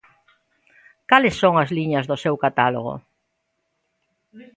Cales son as liñas do seu catálogo?